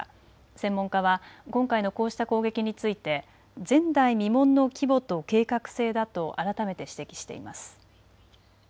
専門家は今回のこうした攻撃について前代未聞の規模と計画性だと改めて指摘しています。